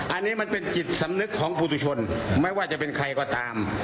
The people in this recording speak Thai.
อันนี้มันเป็นจิตสำนึกของครูติชนไม่ว่าจะเป็นใครก็ตาม